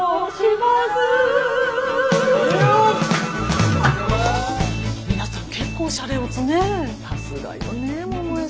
さすがよねえ桃恵さん。